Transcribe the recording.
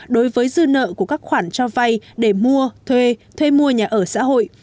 đối với dư nợ của các khoản cho vay để mua thuê thuê mua nhà ở xã hội